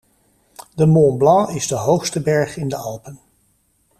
De Mont Blanc is de hoogste berg in de Alpen.